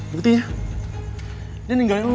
berarti ya dia ninggalin lo